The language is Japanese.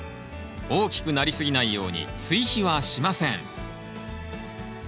大きくなりすぎないように追肥はしません。